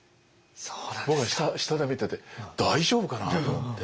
僕は下で見てて大丈夫かなと思って。